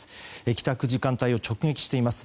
帰宅時間帯を直撃しています。